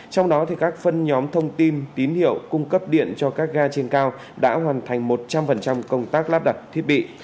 trong đó các phân nhóm thông tin tín hiệu cung cấp điện cho các ga trên cao đã hoàn thành một trăm linh công tác lắp đặt thiết bị